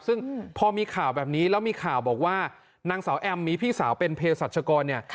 ซึ่งพอมีข่าวแบบนี้แล้วมีข่าวบอกว่านางสาวแอมมีพี่สาวเป็นเพศรัชกรเนี่ย